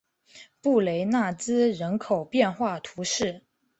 布雷纳兹人口变化图示